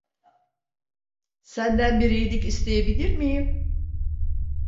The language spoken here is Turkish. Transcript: Senden bir iyilik isteyebilir miyim?